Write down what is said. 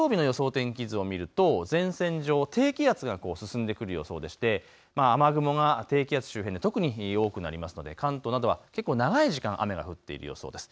天気図を見ると前線上、低気圧が進んでくる予想でして雨雲が低気圧周辺で特に多くなりますので関東などは結構長い時間雨が降っている予想です。